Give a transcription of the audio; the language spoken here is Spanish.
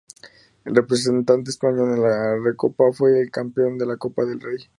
El representante español en la Recopa fue el campeón de la Copa del Rey.